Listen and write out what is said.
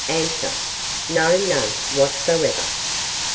No, none whatsoever.